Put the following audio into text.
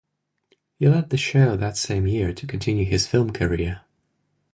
He left the show that same year to continue his film career.